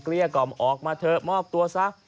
เกลี้ยกอมออกมาเถอะมอบตัวซะ